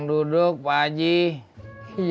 mau beli pakai apa dad